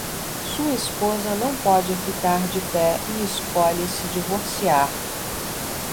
Sua esposa não pode ficar de pé e escolhe se divorciar